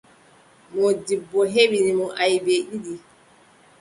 Moodibbo heɓini mo aybe ɗiɗi.